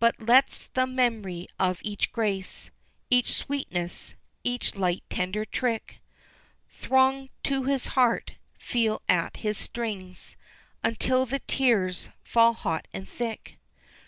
But lets the mem'ry of each grace, Each sweetness, each light tender trick Throng to his heart, feel at its strings, Until the tears fall hot and thick.